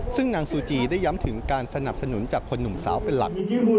ซึ่งนางซูจีได้ย้ำถึงการสนับสนุนจากคนหนุ่มสาวเป็นหลัก